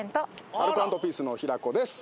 アルコ＆ピースの平子です。